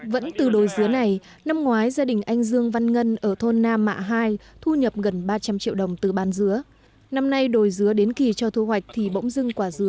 vẫn từ đồi dứa này năm ngoái gia đình anh dương văn ngân ở thôn nam mạ hai thu nhập gần ba trăm linh triệu đồng từ bán dứa